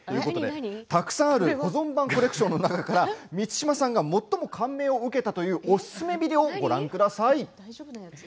たくさんある保存版の中から最も感銘を受けたというおすすめビデオをご覧ください。